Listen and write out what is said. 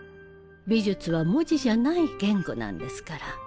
美術は文字じゃない言語なんですから。